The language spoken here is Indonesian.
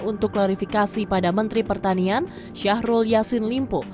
untuk klarifikasi pada menteri pertanian syahrul yassin limpo